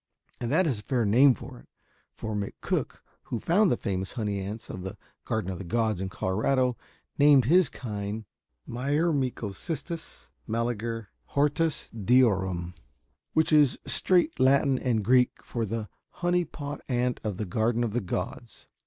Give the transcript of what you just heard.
And that is a fair name for it, for McCook who found the famous honey ants of the Garden of the Gods in Colorado named his kind Myrmecocystus melliger hortusdeorum, which is straight Latin and Greek for the "honey pot ant of the Garden of the Gods."